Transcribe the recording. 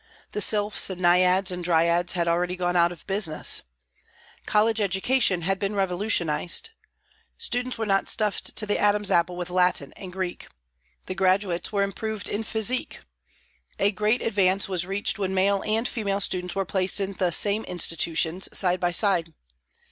The sylphs and naiads and dryads had already gone out of business. College education had been revolutionised. Students were not stuffed to the Adam's apple with Latin and Greek. The graduates were improved in physique. A great advance was reached when male and female students were placed in the same institutions, side by side.